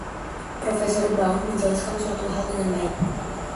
Profesor Brown menjelaskan suatu hal dengan baik.